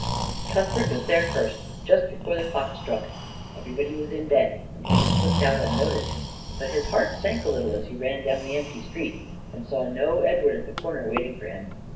Cuthbert was there first, just before the clock struck. Everybody was in bed, and he had slipped out unnoticed. But his heart sank a little as he ran down the empty street and saw no Edward at the corner waiting for him.